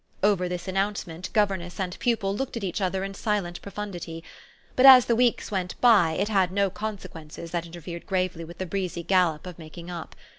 Over this announcement governess and pupil looked at each other in silent profundity; but as the weeks went by it had no consequences that interfered gravely with the breezy gallop of making up.